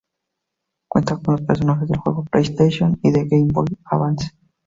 Cuenta con los personajes del juego de PlayStation y de Game Boy Advance.